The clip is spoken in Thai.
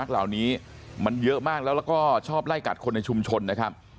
แล้วก็ชอบไล่กัดคนในชุมชนนะครับ